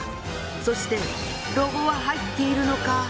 そしてロゴは入っているのか！？